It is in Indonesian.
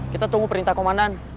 kita tunggu perintah komandan